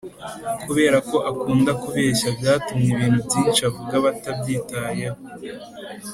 kubera ko akunda kubeshya byatumye ibintu byinshi avuga batabyitayeho